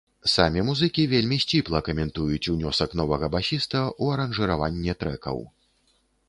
Самі музыкі вельмі сціпла каментуюць унёсак новага басіста ў аранжыраванне трэкаў.